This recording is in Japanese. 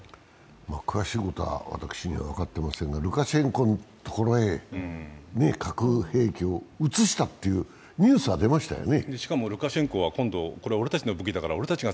詳しいことは私には分かっていませんが、ルカシェンコのところへ核兵器を移したというニュースは出ましたよね。